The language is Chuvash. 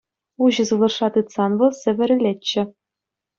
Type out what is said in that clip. Уҫӑ сывлӑшра тытсан вӑл сӗвӗрӗлетчӗ.